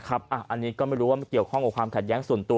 อันนี้ก็ไม่รู้ว่ามันเกี่ยวข้องกับความขัดแย้งส่วนตัว